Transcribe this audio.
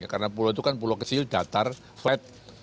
karena pulau itu kan pulau kecil datar flat